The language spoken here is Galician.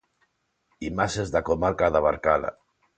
Imaxes da comarca da Barcala.